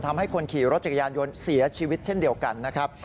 ทำให้คนขี่รถจักรยานยนต์เสียชีวิตเช่นเดียวกันนะครับ